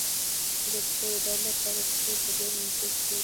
د پښو د درد لپاره پښې په ګرمو اوبو کې کیږدئ